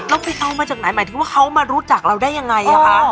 เราไปเอามาจากไหนหมายถึงว่าเขามารู้จักเราได้ยังไงคะ